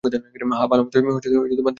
হ্যাঁ, ভালোমতোই দেওয়া হয়েছে।